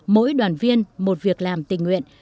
mỗi đoàn viên một việc làm tình nguyện